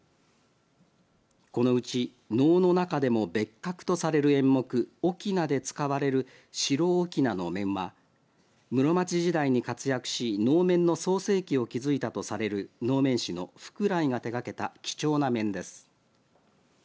このうち、能の中でも別格とされる演目翁で使われる白翁の面は室町時代に活躍し能面の創世期を築いたとされる能面師の福来が手がけた貴重な面です。